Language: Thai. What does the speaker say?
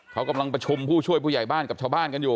เขากำลังประชุมผู้ช่วยผู้ใหญ่บ้านกับชาวบ้านกันอยู่